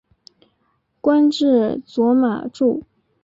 官至左马助。